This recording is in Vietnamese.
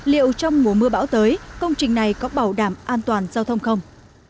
liệu trong mùa mưa bão tới công trình này có bảo đảm an toàn giao thông không